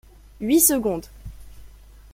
Huit secondes!